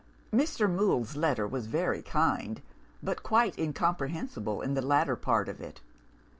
"Mr. Mool's letter was very kind, but quite incomprehensible in the latter part of it.